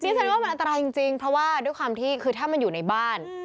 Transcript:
ฉันว่ามันอันตรายจริงเพราะว่าด้วยความที่คือถ้ามันอยู่ในบ้าน